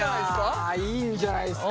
いやいいんじゃないですか？